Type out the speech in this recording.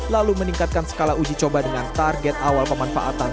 lalu meningkatkan skala uji coba dengan target awal pemanfaatan